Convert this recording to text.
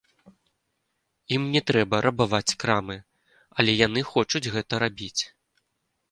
Ім не трэба рабаваць крамы, але яны хочуць гэта рабіць.